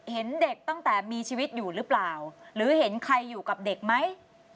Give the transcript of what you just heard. เห็นเด็กตั้งแต่มีชีวิตอยู่หรือเปล่าหรือเห็นใครอยู่กับเด็กไหม